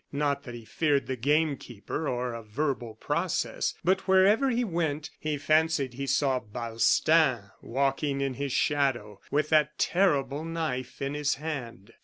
Not that he feared the game keeper or a verbal process, but wherever he went, he fancied he saw Balstain walking in his shadow, with that terrible knife in his hand.